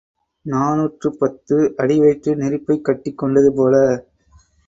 நாநூற்று பத்து அடிவயிற்றில் நெருப்பைக் கட்டிக் கொண்டது போல.